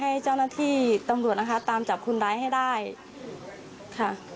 ให้เจ้าหน้าที่ตำรวจนะคะตามจับคนร้ายให้ได้ค่ะ